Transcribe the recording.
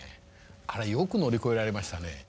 あれよく乗り越えられましたね。